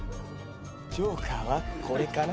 ジョーカーはこれかな？